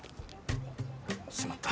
しまった。